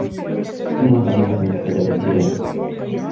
إنها قديمة قِدم التِلال.